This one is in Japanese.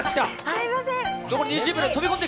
すみません。